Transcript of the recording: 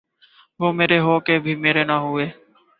وہ مرے ہو کے بھی مرے نہ ہوئے